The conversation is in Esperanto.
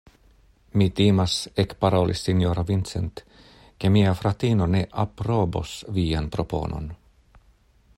Mi timas, ekparolis sinjoro Vincent, ke mia fratino ne aprobos vian proponon.